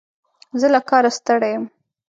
زه له کاره ستړی یم.